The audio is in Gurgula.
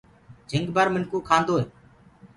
جھنگ بر منکو کاندوئي